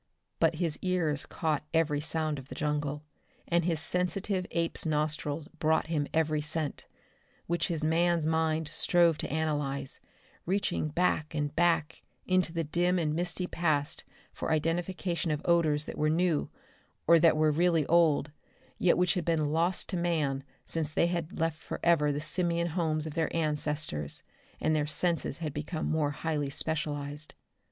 But his ears caught every sound of the jungle, and his sensitive ape's nostrils brought him every scent which his man's mind strove to analyze, reaching back and back into the dim and misty past for identification of odors that were new, or that were really old, yet which had been lost to man since they had left forever the simian homes of their ancestors and their senses had become more highly specialized.